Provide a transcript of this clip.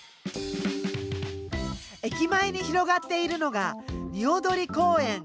駅前に広がっているのがにおどり公園。